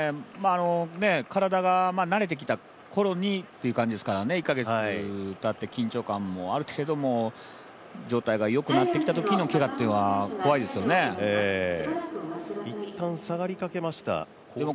体が慣れてきた頃にっていう感じですからね１カ月たって、緊張感もある程度状態がよくなってきたときのけがというのは一旦、下がりかけました。